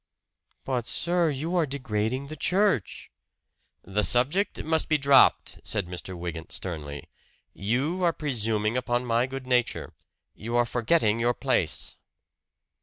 "But, sir, you are degrading the church!" "The subject must be dropped!" said Mr. Wygant sternly. "You are presuming upon my good nature. You are forgetting your place."